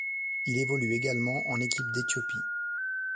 Il évolue également en Équipe d'Éthiopie.